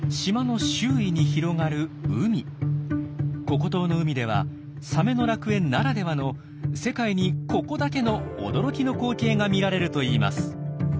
ココ島の海ではサメの楽園ならではの世界にココだけの驚きの光景が見られるといいます。